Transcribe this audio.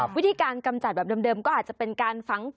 วิธีการกำจัดแบบเดิมก็อาจจะเป็นการฝังฝน